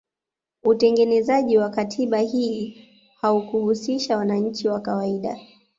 Utengenezaji wa katiba hii haukuhusisha wananchi wa kawaida